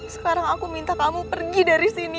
sekarang aku minta kamu pergi dari sini